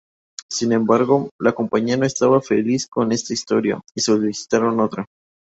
Sin embargo, la compañía no estaba feliz con esta historia, y solicitaron otra.